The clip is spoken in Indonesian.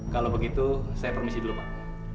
kalau begitu saya permisi dulu pak